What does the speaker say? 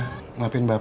iya bu maafin bapak